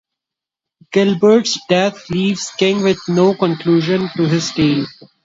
Gilbert's death leaves King with no conclusion to his tale.